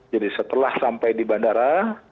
jadi setelah sampai di bandara